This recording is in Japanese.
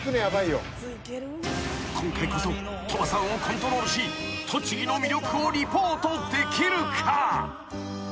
［今回こそ鳥羽さんをコントロールし栃木の魅力をリポートできるか？］